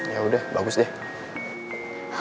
yaudah bagus deh